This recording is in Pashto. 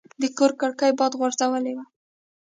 د کور کړکۍ باد غورځولې وه.